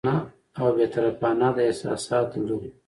او بې طرفانه، د احساساتو لرې